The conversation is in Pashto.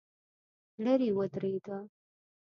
لرې ودرېده.